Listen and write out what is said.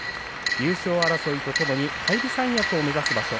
優勝争いとともに返り三役を目指す場所。